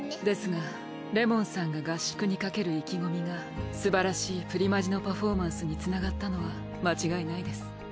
ですがれもんさんが合宿にかける意気込みがすばらしいプリマジのパフォーマンスにつながったのは間違いないです。